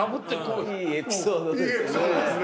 いいエピソードですね。